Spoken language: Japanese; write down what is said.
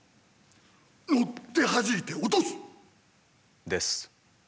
乗ってはじいて落とす！です。